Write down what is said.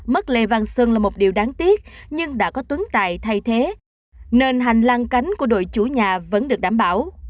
mất lê văn sơn là một điều đáng tiếc nhưng đã có tuấn tài thay thế nên hành lang cánh của đội chủ nhà vẫn được đảm bảo